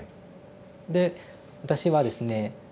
で私はですね